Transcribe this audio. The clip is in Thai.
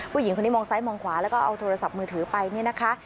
ผู้หญิงคนนี้มองซ้ายมองขวาแล้วก็เอาโทรศัพท์มือถือไปเนี่ยนะคะ